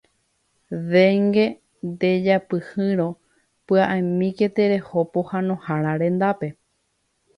Dengue ndejapyhýrõ pya'emíke tereho pohãnohára rendápe.